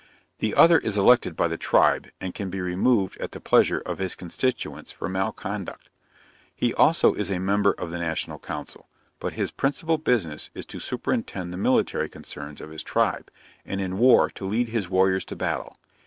The other is elected by the tribe, and can be removed at the pleasure of his constituents for malconduct. He also is a member of the national council: but his principal business is to superintend the military concerns of his tribe, and in war to lead his warriors to battle.